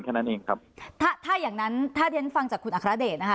แค่นั้นเองครับถ้าถ้าอย่างนั้นถ้าเรียนฟังจากคุณอัครเดชนะคะ